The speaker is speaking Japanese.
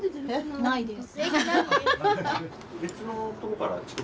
ないです。